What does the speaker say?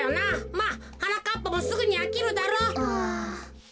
まあはなかっぱもすぐにあきるだろう。